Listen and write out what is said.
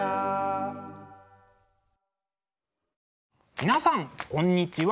皆さんこんにちは。